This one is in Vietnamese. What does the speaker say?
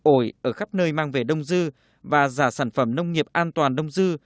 ổi ở khắp nơi mang về đông dư và giả sản phẩm nông nghiệp an toàn đông dư